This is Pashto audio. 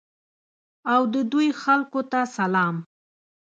او د دوی خلکو ته سلام.